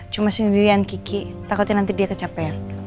cuma sendirian kiki takutnya nanti dia kecapean